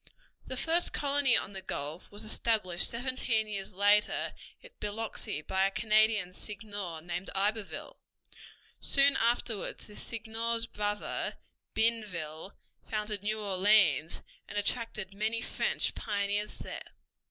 The first colony on the Gulf was established seventeen years later at Biloxi by a Canadian seigneur named Iberville. Soon afterward this seigneur's brother, Bienville, founded New Orleans and attracted many French pioneers there.